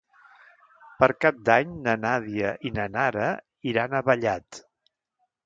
Per Cap d'Any na Nàdia i na Nara iran a Vallat.